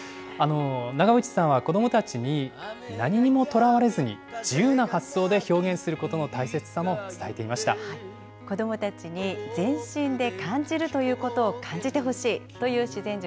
長渕さんは子どもたちに、何にもとらわれずに自由な発想で表現す子どもたちに全身で感じるということを感じてほしいという自然塾。